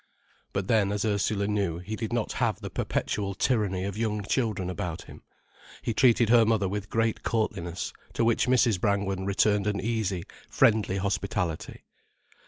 But then, as Ursula knew, he did not have the perpetual tyranny of young children about him. He treated her mother with great courtliness, to which Mrs. Brangwen returned an easy, friendly hospitality.